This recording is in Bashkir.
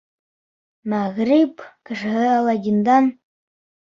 Мәғриб кешеһе Аладдиндан: